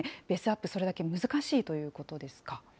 ベースアップ、それだけ難しいということですか？